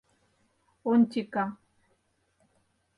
Онтика.